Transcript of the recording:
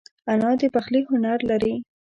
انا د پخلي هنر لري